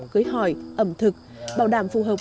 cưới hỏi ẩm thực bảo đảm phù hợp